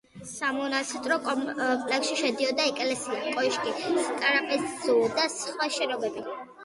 სამონასტრო კომპლექსში შედიოდა ეკლესია, კოშკი, სატრაპეზო და სხვა შენობები.